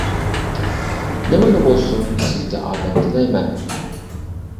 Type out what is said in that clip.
نېمىلا بولسۇن، سىزگە ئامەت تىلەيمەن.